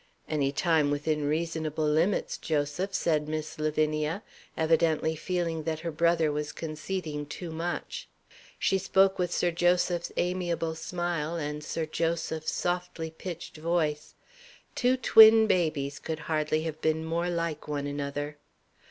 "Any time within reasonable limits, Joseph," said Miss Lavinia, evidently feeling that her brother was conceding too much. She spoke with Sir Joseph's amiable smile and Sir Joseph's softly pitched voice. Two twin babies could hardly have been more like one another.